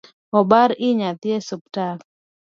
Obar i nyathi e osiptal